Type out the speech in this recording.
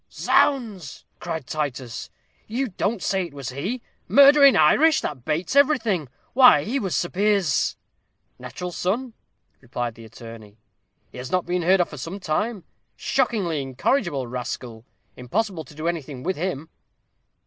"Zounds!" cried Titus, "you don't say it was he? Murder in Irish! that bates everything; why, he was Sir Piers's " "Natural son," replied the attorney; "he has not been heard of for some time shockingly incorrigible rascal impossible to do anything with him."